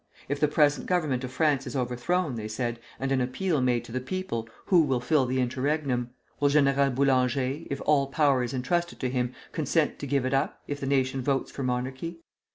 "If the present Government of France is overthrown," they said, "and an appeal made to the people, who will fill the interregnum? Will General Boulanger, if all power is intrusted to him, consent to give it up, if the nation votes for monarchy?